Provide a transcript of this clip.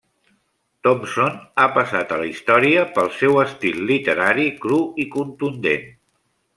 Thompson ha passat a la història pel seu estil literari cru i contundent.